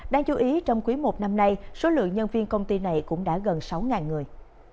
đáng chú ý trong quý i năm nay số lượng nhân viên công ty này cũng đã gần sáu người